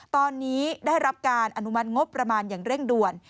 ตอนนี้ได้รับการอนุมัติงบประมาณอย่างเร่งด่วน